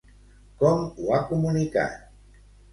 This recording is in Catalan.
Com ho ha comunicat?